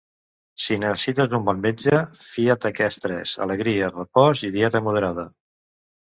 Si necessites un bon metge, fia't d'aquests tres: alegria, repòs i dieta moderada.